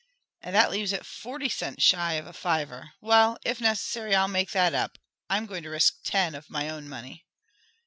"And that leaves it forty cents shy of a fiver. Well, if necessary, I'll make that up. I'm going to risk ten of my own money."